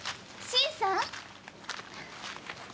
新さん！